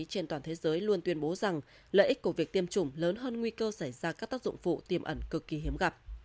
các cơ quan quản lý trên toàn thế giới luôn tuyên bố rằng lợi ích của việc tiêm chủng lớn hơn nguy cơ xảy ra các tác dụng phụ tiêm ẩn cực kỳ hiếm gặp